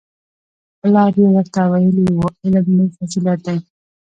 پلار یې ورته ویلي وو علم لوی فضیلت دی